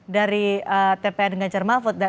dari tpn dengan jermalvoet